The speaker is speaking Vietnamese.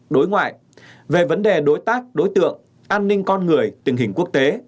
đối ngoại về vấn đề đối tác đối tượng an ninh con người tình hình quốc tế